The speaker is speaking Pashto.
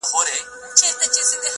o هو پاچا ملا وزیر ملا سهي ده,